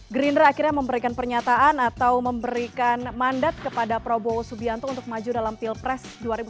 gerindra akhirnya memberikan pernyataan atau memberikan mandat kepada prabowo subianto untuk maju dalam pilpres dua ribu sembilan belas